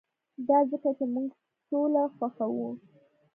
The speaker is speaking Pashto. دا ځکه چې موږ سوله خوښوو